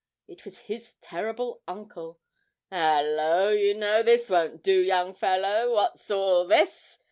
It was his terrible uncle! ''Ullo, you know, this won't do, young fellow; what's all this?'